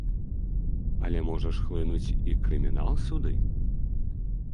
Але можа ж хлынуць і крымінал сюды.